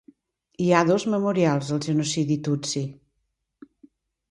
Hi ha dos memorials al genocidi tutsi.